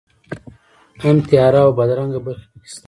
هم تیاره او بدرنګه برخې په کې شته.